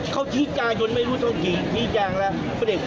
ไม่มีไม่ฝากหรอกไม่เชื่อ